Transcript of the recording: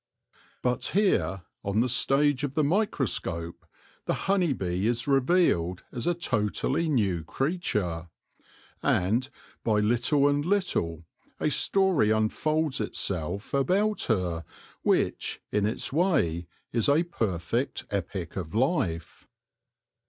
But here, on the stage of the microscope, the honey bee is revealed as a totally new creature ; and, by little and little, a story unfolds itself about her which, in its way, is a perfect epic of life.